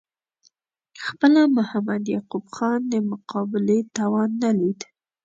خپله محمد یعقوب خان د مقابلې توان نه لید.